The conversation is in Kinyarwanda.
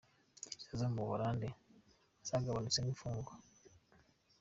Gereza zo mu Buholandi zagabanutsemo imfungwa.